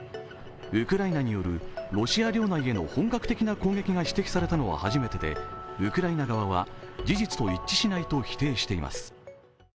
ウクライナによるロシア領内への本格的な攻撃が指摘されたのは初めてでウクライナ側は事実と一致しないと否定しています。